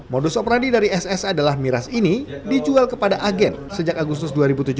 modus operandi dari ss adalah miras ini dijual kepada agen sejak agustus dua ribu tujuh belas